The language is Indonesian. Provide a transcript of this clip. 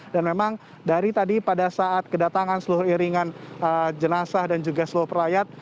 dan memang dari tadi pada saat kedatangan seluruh iringan jenazah dan juga seluruh perlayat